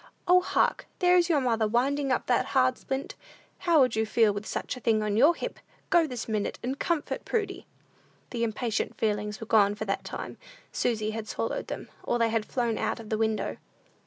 O, hark! there is your mother winding up that hard splint! How would you feel with such a thing on your hip? Go, this minute, and comfort Prudy!" The impatient feelings were gone for that time; Susy had swallowed them, or they had flown out of the window.